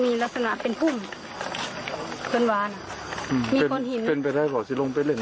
มีคนหินก็เป็นแบตส่วนไปแล่ง